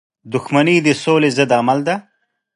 • دښمني د سولی ضد عمل دی.